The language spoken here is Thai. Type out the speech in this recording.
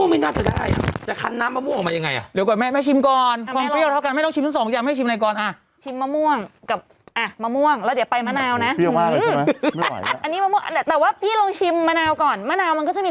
มะม่วงไม่น่าจะได้จะคันน้ำมะม่วงออกมายังไงเร็วก่อนแม่ไม่ชิมก่อน